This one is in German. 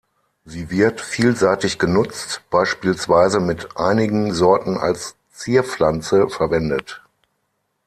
Sie wird vielseitig genutzt, beispielsweise mit einigen Sorten als Zierpflanze verwendet.